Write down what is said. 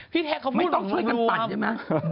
พี่แทกเขาพูดหนูว่ามไม่ต้องช่วยกันปั่นใช่ไหม